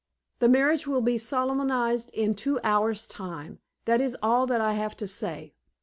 The marriage will be solemnized in two hours' time. That is all that I have to say.